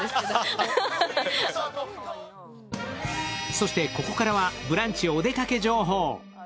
そしてここからはブランチお出かけ情報。